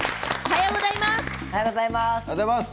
おはようございます。